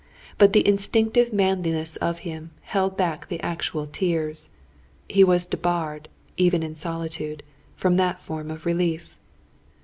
But the instinctive manliness of him, held back the actual tears. He was debarred, even in solitude, from that form of relief.